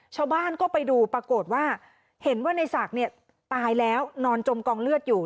ชาวบ้านก็ไปดูปรากฏว่าเห็นว่าในศักดิ์เนี่ยตายแล้วนอนจมกองเลือดอยู่